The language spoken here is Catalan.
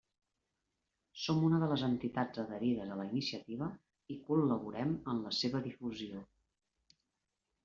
Som una de les entitats adherides a la iniciativa i col·laborem en la seva difusió.